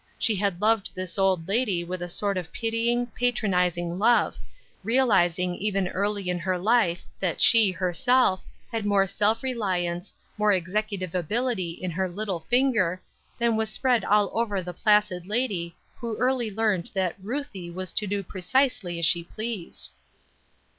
She had loved this old lady with a sort of pitying, patronizing love, realizing even very early in her life that she, herself, had more self reliance, more executive ability, in her little finger, than was spread all over the placid lady who early learned that "Ruthie" was to do precisely as she pleased.